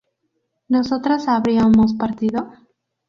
¿nosotras habríamos partido?